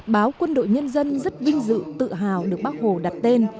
báo quân đội nhân dân rất vinh dự tự hào được bác hồ đặt tên